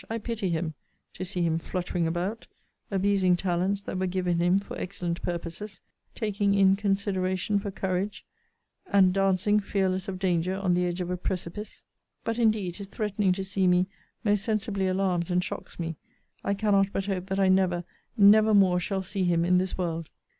I pity him, to see him fluttering about; abusing talents that were given him for excellent purposes; taking in consideration for courage; and dancing, fearless of danger, on the edge of a precipice! But indeed his threatening to see me most sensibly alarms and shocks me. I cannot but hope that I never, never more shall see him in this world.